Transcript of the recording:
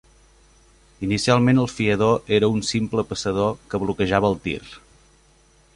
Inicialment el fiador era un simple passador que bloquejava el tir.